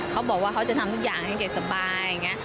เขาบอกว่าเขาจะทำทุกอย่างให้เกรียดสบาย